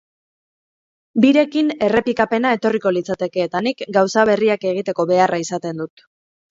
Birekin, errepikapena etorriko litzateke eta nik gauza berriak egiteko beharra izaten dut.